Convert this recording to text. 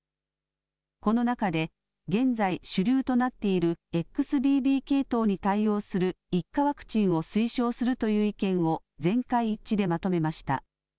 この中で現在、主流となっているＸＢＢ系統に対応する１価ワクチンを推奨するという意見を全会一致でまとめました。